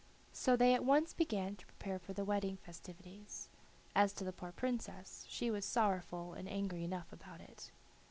So they at once began to prepare for the wedding festivities. As to the poor princess, she was sorrowful and angry enough about it.